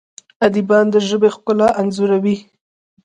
ادیبان د ژبې ښکلا انځوروي.